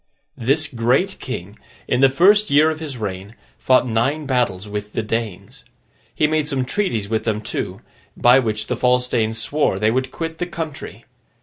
This great king, in the first year of his reign, fought nine battles with the Danes. He made some treaties with them too, by which the false Danes swore they would quit the country.